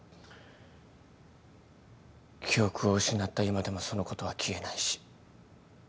記憶を失った今でもそのことは消えないし。